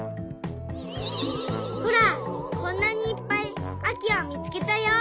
ほらこんなにいっぱいあきをみつけたよ！